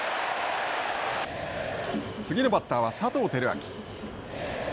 次のバッターは佐藤輝明。